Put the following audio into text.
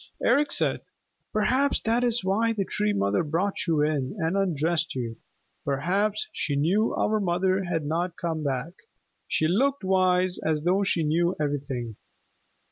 Eric said, "Perhaps that is why the Tree Mother brought you in and undressed you perhaps she knew our mother had not come back. She looked wise, as though she knew everything."